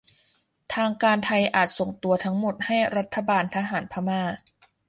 ทางการไทยอาจส่งตัวทั้งหมดให้รัฐบาลทหารพม่า